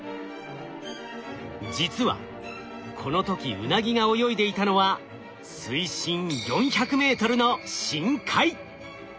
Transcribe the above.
実はこの時ウナギが泳いでいたのは水深４００ｍの深海。